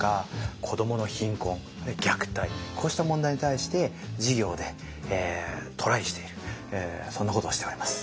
子どもの貧困虐待こうした問題に対して事業でトライしているそんなことをしております。